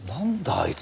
あいつ。